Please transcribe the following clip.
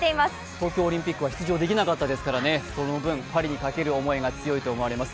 東京オリンピックは出場できなかったですから、その分パリにかける思いは強いと思います。